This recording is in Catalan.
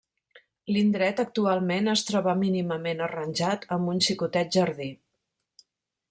L'indret, actualment, es troba mínimament arranjat amb un xicotet jardí.